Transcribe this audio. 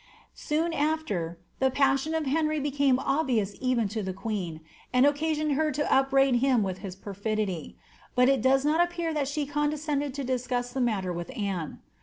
^ Soon after the passion of Henry became obvious even to the queen, and occasioned her to upbraid him witli his perfidy ; but it does not ap pear that she condescended to discuss the matter with Ann^.